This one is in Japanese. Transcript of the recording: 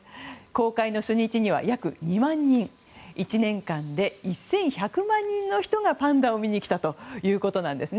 公開の初日には約２万人１年間で１１００万人の人がパンダを見に来たということです。